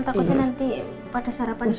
takutnya nanti pada sarapan di sini